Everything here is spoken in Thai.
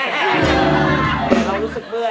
เรารู้สึกเบื่อน